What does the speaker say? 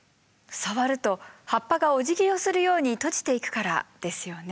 触ると葉っぱがおじぎをするように閉じていくからですよね。